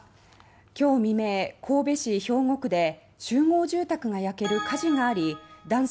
今日未明、神戸市兵庫区で集合住宅が焼ける火事があり男性